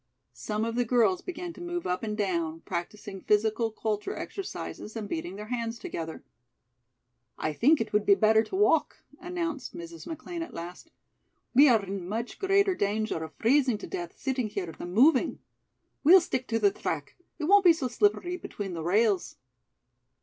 Some of the girls began to move up and down, practicing physical culture exercises and beating their hands together. "I think it would be better to walk," announced Mrs. McLean at last. "We are in much greater danger of freezing to death sitting here than moving. We'll stick to the track. It won't be so slippery between the rails."